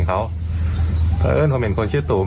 เพราะเอิ้นผมเห็นคนชื่อตูม